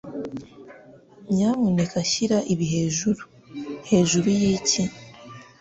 Nyamuneka shyira ibi hejuru." "Hejuru y'iki?"